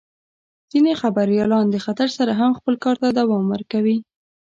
ځینې خبریالان د خطر سره هم خپل کار ته دوام ورکوي.